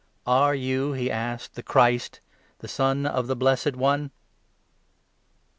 "Are you," he asked, "the Christ, the Son of the Blessed One?"